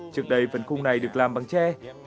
trước đây phần khung này được làm bằng tre